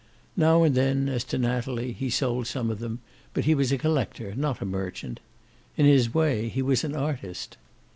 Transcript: Now and then, as to Natalie, he sold some of them, but he was a collector, not a merchant. In his way, he was an artist.